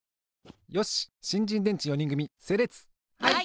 はい。